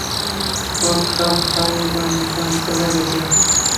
সব সাপ হাইবারনেশনে চলে গেছে।